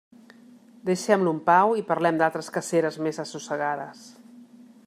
Deixem-lo en pau i parlem d'altres caceres més assossegades.